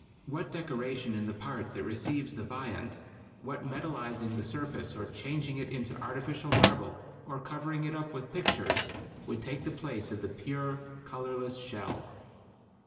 What decoration in the part that receives the viand, what metallizing the surface or changing it into artificial marble, or covering it up with pictures, would take the place of the pure, colorless shell?